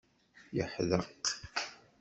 Yeḥdeq.